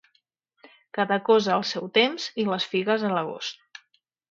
Cada cosa al seu temps, i les figues a l'agost.